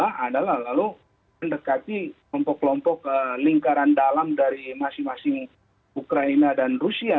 yang pertama adalah lalu mendekati kelompok kelompok lingkaran dalam dari masing masing ukraina dan rusia